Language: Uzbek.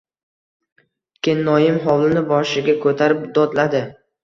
Kennoyim hovlini boshiga ko‘tarib dodladi.